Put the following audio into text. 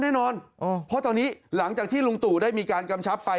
แน่นอนเพราะตอนนี้หลังจากที่ลุงตู่ได้มีการกำชับไฟ